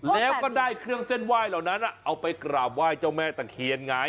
แล้วก็ได้เครื่องเส้นไหว้เหล่านั้นเอาไปกราบไหว้เจ้าแม่ตะเคียนไง